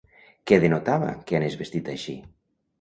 Què denotava que anés vestit així?